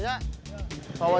ayah naon ini kok gak jawab